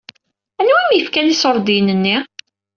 Anwi i m-yefkan iṣuṛdiyen-nni?